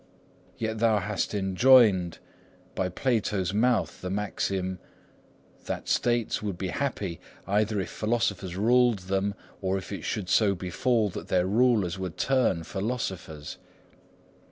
Yet thou hast enjoined by Plato's mouth the maxim, "that states would be happy, either if philosophers ruled them, or if it should so befall that their rulers would turn philosophers."